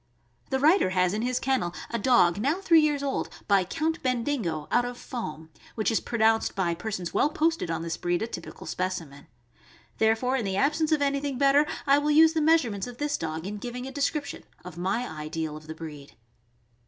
The writer has in his kennel a dog, now three years old, by Count Bendigo, out of Foam, which is pronounced by persons well posted on this breed a typical specimen; there fore, in the absence of anything better, I will use the meas urements of this dog in giving* a description of my ideal of the breed.